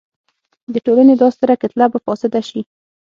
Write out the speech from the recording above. د ټولنې دا ستره کتله به فاسده شي.